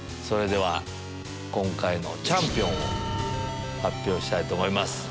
それでは今回のチャンピオンを発表したいと思います。